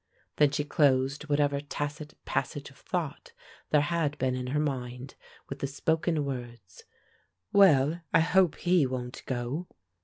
Then she closed whatever tacit passage of thought there had been in her mind with the spoken words, "Well, I hope he won't go."